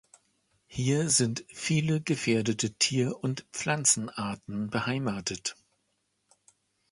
Hier sind viele gefährdete Tier- und Pflanzenarten beheimatet.